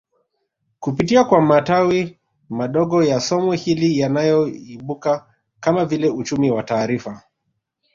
Kupitia kwa matawi madogo ya somo hili yanayoibuka kama vile uchumi wa taarifa